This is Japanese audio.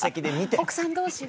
奥さん同士が？